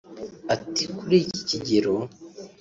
Ati "Kuri iki kigero